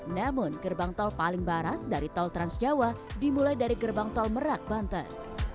namun gerbang tol paling barat dari tol transjawa dimulai dari gerbang tol merak banten